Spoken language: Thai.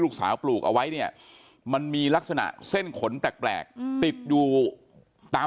ลูกสาวปลูกเอาไว้เนี่ยมันมีลักษณะเส้นขนแปลกติดอยู่ตาม